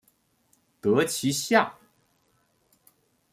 得其下